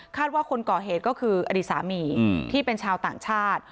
ว่าคนก่อเหตุก็คืออดีตสามีที่เป็นชาวต่างชาติ